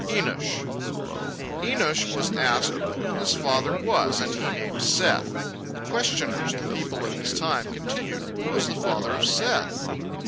ENOSH Enosh was asked who his father was, and he named Seth. The questioners, the people of his time, continued: "Who was the father of Seth?"